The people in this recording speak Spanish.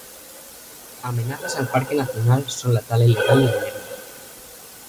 Amenazas al parque nacional son la tala ilegal y la minería.